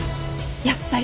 やっぱり。